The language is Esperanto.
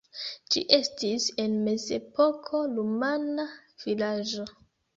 Ĝi estis en mezepoko rumana vilaĝo.